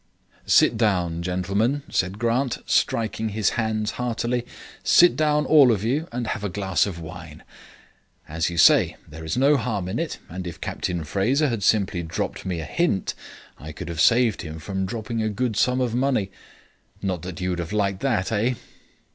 "Sit down, gentlemen," cried Grant, striking his hands heartily. "Sit down all of you and have a glass of wine. As you say, there is no harm in it, and if Captain Fraser had simply dropped me a hint I could have saved him from dropping a good sum of money. Not that you would have liked that, eh?"